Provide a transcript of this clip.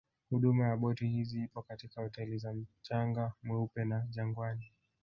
Huduma ya boti hizi ipo katika hoteli za mchanga mweupe na Jangwani